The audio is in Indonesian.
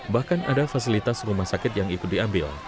bahkan ada fasilitas rumah sakit yang imbasis